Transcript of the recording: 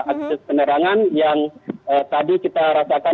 akses penerangan yang tadi kita rasakan